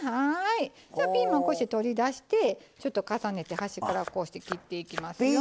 じゃあピーマンこうして取り出してちょっと重ねて端からこうして切っていきますよ。